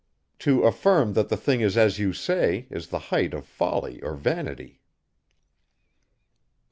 To affirm that the thing is as you say, is the height of folly or vanity. 104.